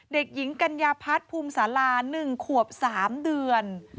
เด็กหญิงกัญญาพัฒน์ภูมิสารา๑ขวบ๓เดือน